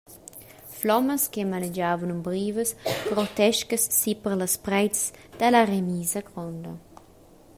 Flommas che malegiavan umbrivas grotescas siper las preits dalla remisa gronda.